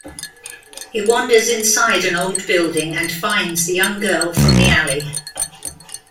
He wanders inside an old building and finds the young girl from the alley.